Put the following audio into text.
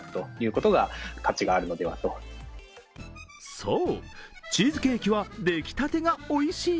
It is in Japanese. そう、チーズケーキは出来たてがおいしい！